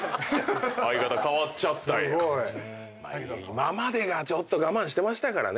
今までが我慢してましたからね。